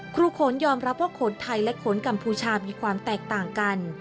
โขนยอมรับว่าโขนไทยและขนกัมพูชามีความแตกต่างกัน